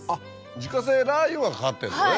自家製ラー油がかかってんのね